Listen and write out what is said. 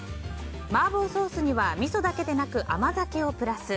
麻婆ソースにはみそだけでなく甘酒をプラス。